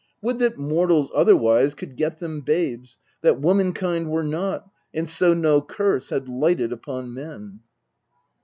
Would that mortals otherwise Could get them babes, that womankind were not, And so no curse had lighted upon men.